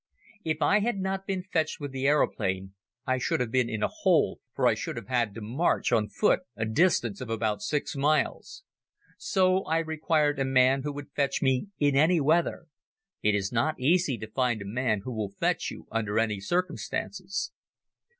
If I had not been fetched with the aeroplane I should have been in a hole for I should have had to march on foot a distance of about six miles. So I required a man who would fetch me in any weather. It is not easy to find a man who will fetch you under any circumstances.